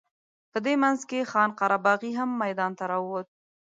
په دې منځ کې خان قره باغي هم میدان ته راووت.